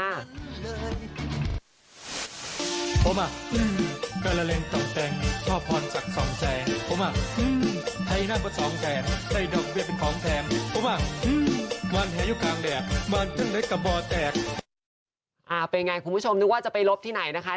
เป็นไงคุณผู้ชมนึกว่าจะไปลบที่ไหนนะคะ